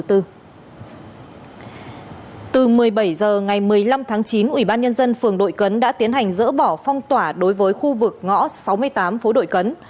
từ một mươi bảy h ngày một mươi năm tháng chín ủy ban nhân dân phường đội cấn đã tiến hành dỡ bỏ phong tỏa đối với khu vực ngõ sáu mươi tám phố đội cấn